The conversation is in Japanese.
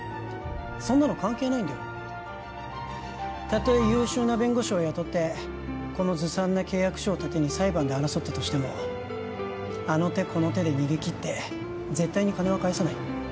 そんなの関係ないんだよたとえ優秀な弁護士を雇ってこのずさんな契約書を盾に裁判で争ったとしてもあの手この手で逃げ切って絶対に金は返さない